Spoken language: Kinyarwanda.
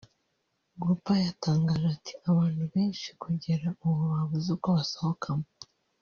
Gupta yatangaje ati “ abantu benshi kugera ubu babuze uko basohokamo